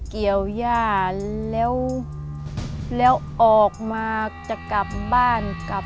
กลับเกลียวชาแล้วออกมาก็จะกลับงานค่ะ